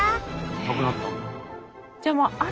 なくなったんだ。